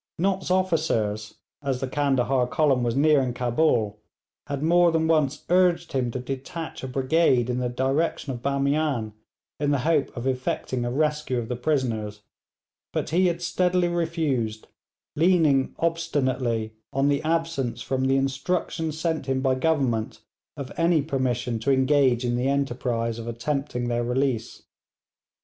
Nott's officers, as the Candahar column was nearing Cabul, had more than once urged him to detach a brigade in the direction of Bamian in the hope of effecting a rescue of the prisoners, but he had steadily refused, leaning obstinately on the absence from the instructions sent him by Government of any permission to engage in the enterprise of attempting their release.